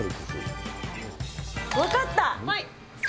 分かった。